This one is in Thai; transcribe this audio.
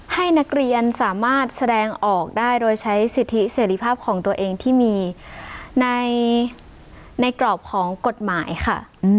ให้นักเรียนสามารถแสดงออกได้โดยใช้สิทธิเสรีภาพของตัวเองที่มีในกรอบของกฎหมายค่ะ